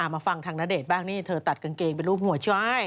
มาฟังทางณเดชน์บ้างนี่เธอตัดกางเกงเป็นรูปหัวช่วย